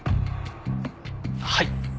はい。